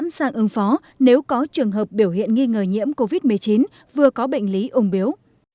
bệnh nhân sẽ sẵn sàng ứng phó nếu có trường hợp biểu hiện nghi ngờ nhiễm covid một mươi chín vừa có bệnh lý ung biếu